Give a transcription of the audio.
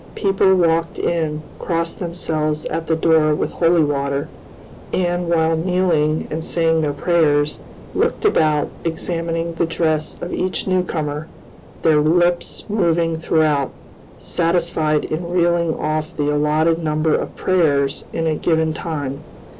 People walked in, crossed themselves at the door with holy water, and, while kneeling and saying their prayers, looked about examining the dress of each newcomer, their lips moving throughout, satisfied in reeling off the allotted number of prayers in a given time.